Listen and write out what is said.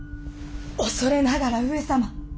恐れながら上様。